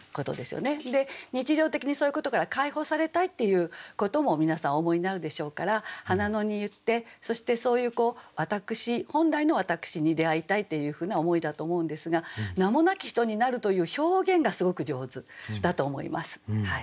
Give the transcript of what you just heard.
日常的にそういうことから解放されたいっていうことも皆さんお思いになるでしょうから花野に行ってそしてそういう私本来の私に出会いたいというふうな思いだと思うんですが「名もなき人になる」という表現がすごく上手だと思います。